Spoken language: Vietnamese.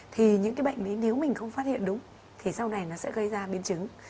thì những cái bệnh lý nếu mình không phát hiện đúng thì sau này nó sẽ gây ra biến chứng